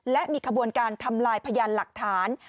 และมีขบวนการทำลายพยานหลักฐาน